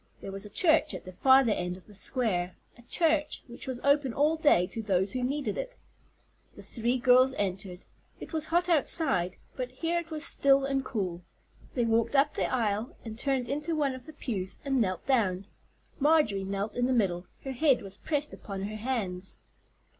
There was a church at the farther end of the square, a church which was open all day to those who needed it. The three girls entered. It was hot outside, but here it was still and cool. They walked up the aisle, and turned into one of the pews and knelt down. Marjorie knelt in the middle; her head was pressed upon her hands.